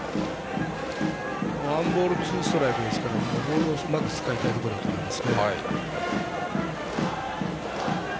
ワンボールツーストライクですからボールをうまく使いたいところだと思います。